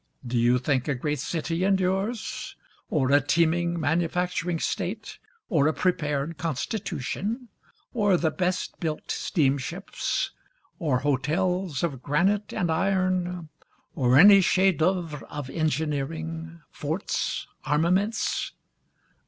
Do you think a great city endures? Or a teeming manufacturing state? or a prepared constitution? or the best built steamships? Or hotels of granite and iron? or any chef d'oeuvres of engineering, forts, armaments?